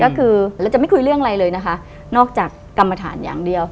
ก็คือเราจะไม่คุยเรื่องอะไรเลยนะคะนอกจากกรรมฐานอย่างเดียว